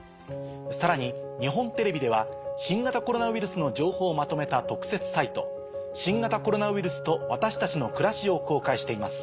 さらに日本テレビでは新型コロナウイルスの情報をまとめた。を公開しています。